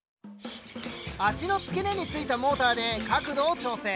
脚の付け根についたモーターで角度を調整。